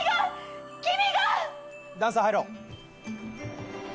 ダンサー入ろう。